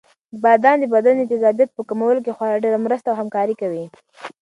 بادام د بدن د تېزابیت په کمولو کې خورا ډېره مرسته او همکاري کوي.